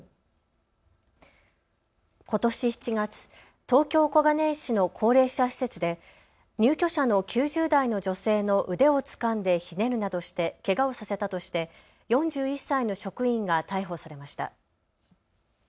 ことし７月、東京小金井市の高齢者施設で入居者の９０代の女性の腕をつかんでひねるなどしてけがをさせたとして４１歳の職員が逮捕されました。